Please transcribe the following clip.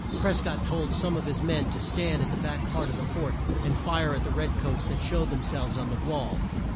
Pres cott told some of his men to stand at the back part of the fort and fire at the red coats that showed them selves on the wall.